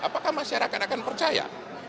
apakah masyarakat akan percaya